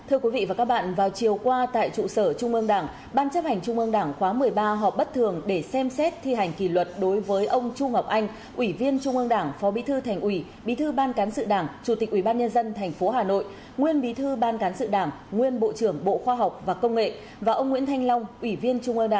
ủy viên trung ương đảng bí thư ban cán sự đảng bộ trưởng bộ y tế